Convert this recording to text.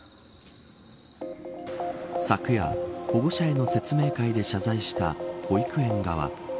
昨夜、保護者への説明会で謝罪した保育園側。